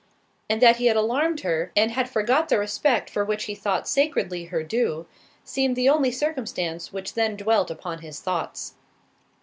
And that he had alarmed her, and had forgot the respect which he thought sacredly her due, seemed the only circumstance which then dwelt upon his thoughts.